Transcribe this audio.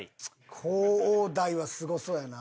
広大台はすごそうやな。